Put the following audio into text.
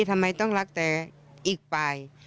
ทำไมต้องรักแต่อีกฝ่าย